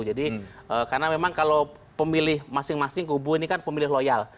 jadi karena memang kalau pemilih masing masing kubu ini kan pemilih loyal